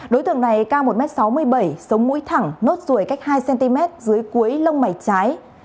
đối tượng này cao một m sáu mươi bảy sống mũi thẳng nốt ruồi cách hai cm dưới cuối lông mày trái